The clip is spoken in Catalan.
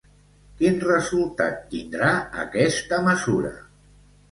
Quin resultat tindrà aquesta mesura?